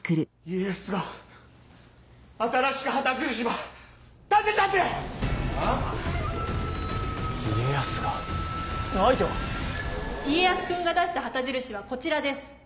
家康君が出した旗印はこちらです。